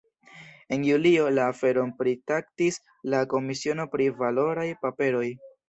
En julio la aferon pritraktis la komisiono pri valoraj paperoj.